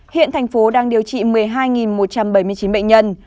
hiện thành phố đang điều trị một mươi hai một trăm bảy mươi chín bệnh nhân